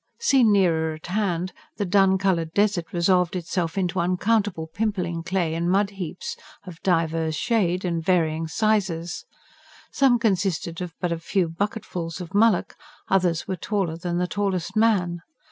Seen nearer at hand, the dun coloured desert resolved itself into uncountable pimpling clay and mud heaps, of divers shade and varying sizes: some consisted of but a few bucketfuls of mullock, others were taller than the tallest man.